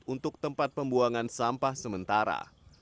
untuk tempat pembuangan sampah sementara